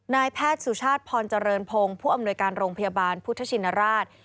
นายแพทย์สุชาติพรเจริญพงศ์ผู้อำนวยการโรงพยาบาลพุทธชินราช